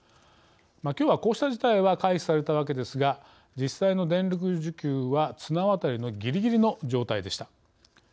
きょうはこうした事態は回避されたわけですが実際の電力需給は綱渡りのぎりぎりの状態でした。